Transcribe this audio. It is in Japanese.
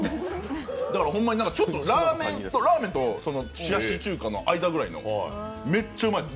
だからほんまにラーメンと冷やし中華の間ぐらいの、めっちゃうまいです